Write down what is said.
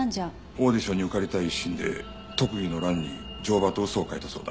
オーディションに受かりたい一心で特技の欄に「乗馬」と嘘を書いたそうだ。